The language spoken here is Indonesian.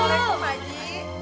waalaikumsalam pak haji